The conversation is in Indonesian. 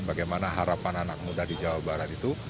bagaimana harapan anak muda di jawa barat itu